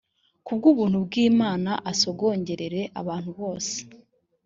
ku bw’ubuntu bw’imana asogongerere abantu bose